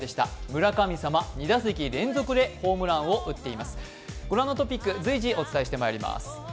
村神様、２打席連続でホームランを打っています。